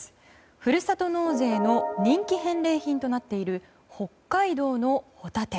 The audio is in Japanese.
ふるさと納税の人気返礼品となっている北海道のホタテ。